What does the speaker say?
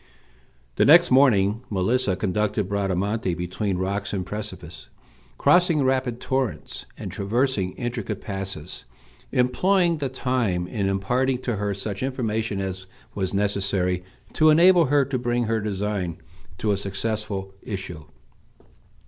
The next morning Melissa conducted Bradamante between rocks and precipices, crossing rapid torrents, and traversing intricate passes, employing the time in imparting to her such information as was necessary to enable her to bring her design to a successful issue.